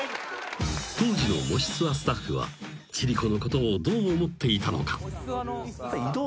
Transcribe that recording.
［当時の『もしツア』スタッフは千里子のことをどう思っていたのか？］